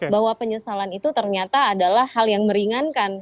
bahwa penyesalan itu ternyata adalah hal yang meringankan